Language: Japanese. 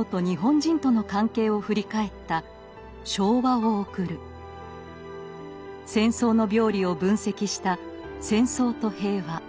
戦争の病理を分析した「戦争と平和ある観察」。